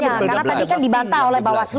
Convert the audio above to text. karena tadi kan dibantah oleh bawaslu